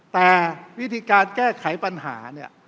แต่วิธีการแก้ไขปัญหาเนี่ย